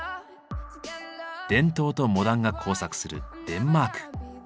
伝統とモダンが交錯するデンマーク。